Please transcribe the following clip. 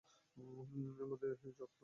এর মধ্যেই চক্র রয়েছে।